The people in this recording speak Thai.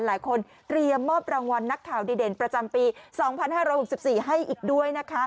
หลายคนเตรียมมอบรางวัลนักข่าวดีเด่นประจำปีสองพันห้าร้อยหกสิบสี่ให้อีกด้วยนะคะ